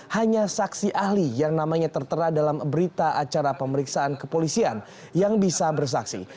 hanya saksi ahli yang namanya tertera dalam berita acara pemeriksaan kepolisian yang bisa bersaksi